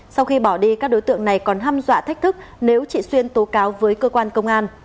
sau khi bỏ đi các đối tượng này còn hâm dọa thách thức nếu chị xuyên tố cáo với cơ quan công an